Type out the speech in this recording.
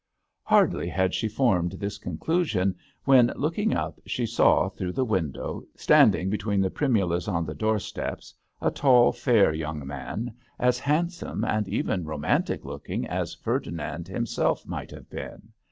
Hardly had she formed this conclusion when, looking up, she saw, through the window, stand ing between the primulas on the door steps, a tall, fair young man as handsome and even romantic looking as Ferdinand himself might have been.